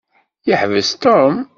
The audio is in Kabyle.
Yeḥbes Tom.